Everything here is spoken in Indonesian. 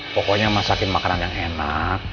pokoknya masakin makanan yang enak